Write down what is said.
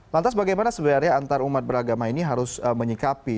lantas bagaimana sebenarnya antarumat beragama ini harus menyikapi